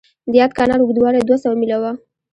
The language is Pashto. د یاد کانال اوږدوالی دوه سوه میله و.